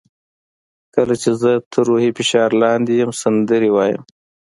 کله چې زه تر روحي فشار لاندې یم سندرې وایم.